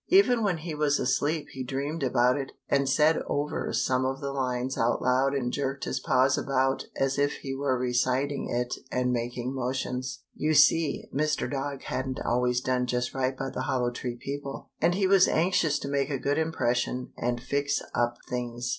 Even when he was asleep he dreamed about it, and said over some of the lines out loud and jerked his paws about as if he were reciting it and making motions. You see, Mr. Dog hadn't always done just right by the Hollow Tree people, and he was anxious to make a good impression and fix up things.